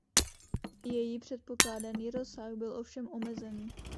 Její předpokládaný rozsah byl ovšem omezený.